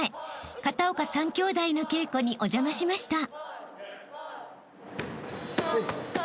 ［片岡３きょうだいの稽古にお邪魔しました］